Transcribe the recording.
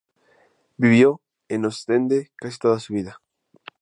Vivió en Ostende casi toda su vida.